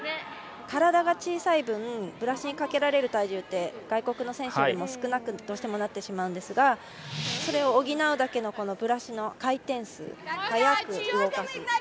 体が小さい分ブラシにかけられる体重って外国の選手よりも、どうしても少なくなってしまうんですがそれを補うだけのブラシの回転数速く動かす。